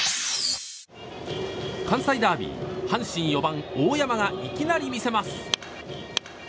関西ダービー阪神４番、大山がいきなり見せます。